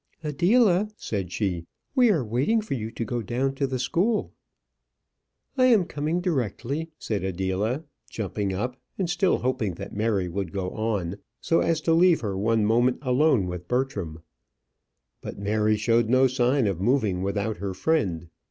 "Adela," said she, "we are waiting for you to go down to the school." "I am coming directly," said Adela, jumping up, and still hoping that Mary would go on, so as to leave her one moment alone with Bertram. But Mary showed no sign of moving without her friend.